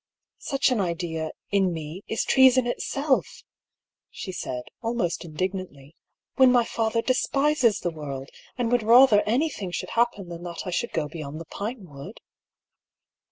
" Such an idea, in me, is treason itself !" she said, al most indignantly —" when my father despises the world, and would rather anything should happen than that I should go beyond the Pinewood."